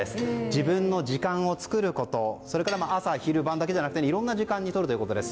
自分の時間を作ることそれから朝昼晩だけじゃなくていろんな時間にとるということです。